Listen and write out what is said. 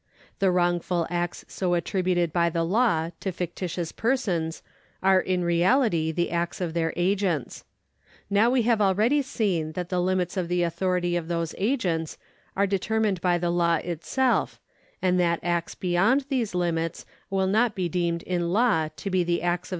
The wrongful acts so attributed by the law to fictitious persons are in reality the acts of their agents. Now we have already seen that the limits of the authority of those agents are determined by the law itself, and that acts beyond those limits will not be deemed in law to be the acts of the cor 1 Cornfordv.